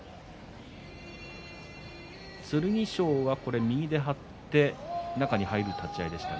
剣翔は右で張って中に入る立ち合いでした。